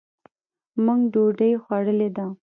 مونږ ډوډۍ خوړلې ده.